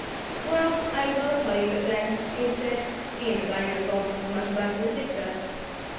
"Well, I will tell you it then," Abe said, "seeing that I knows almost as much about it as Dick does.